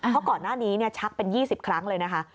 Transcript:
เพราะก่อนหน้านี้ชักเป็น๒๐ครั้งเลยนะคะ